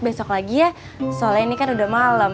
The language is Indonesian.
besok lagi ya soalnya ini kan udah malam